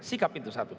sikap itu satu